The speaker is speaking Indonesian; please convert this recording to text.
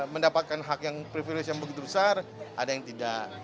mendapatkan hak yang privilege yang begitu besar ada yang tidak